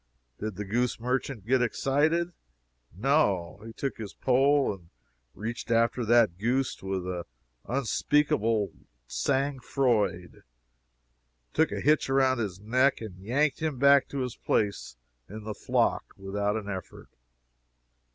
Did the goose merchant get excited? No. He took his pole and reached after that goose with unspeakable sang froid took a hitch round his neck, and "yanked" him back to his place in the flock without an effort.